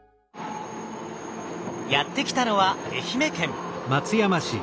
やって来たのは愛媛県。